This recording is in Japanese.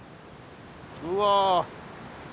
うわ。